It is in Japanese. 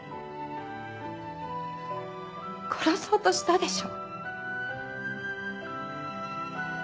殺そうとしたでしょ？